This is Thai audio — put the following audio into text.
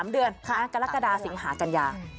๓เดือนกรกฎาสิงหากัญญา